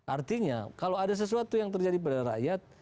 artinya kalau ada sesuatu yang terjadi pada rakyat